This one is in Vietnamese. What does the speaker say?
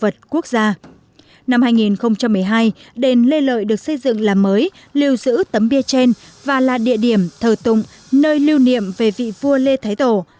năm hai nghìn một mươi hai đền lê lợi được xây dựng làm mới lưu giữ tấm bia trên và là địa điểm thờ tụng nơi lưu niệm về vị vua lê thái tổ